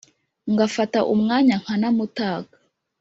Ngafata umwanya nkanamutaka